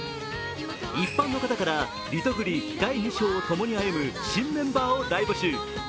一般の方から、リトグリ第２章を共に歩む新メンバーを大募集。